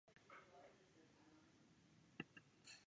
其后肯亚向索马利亚派兵。